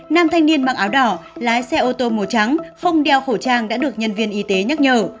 nam thanh niên mặc áo đỏ lái xe ô tô màu trắng không đeo khẩu trang đã được nhân viên y tế nhắc nhở